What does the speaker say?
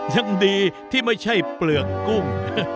ยังดีที่ไม่ใช่เปลือกกุ้ง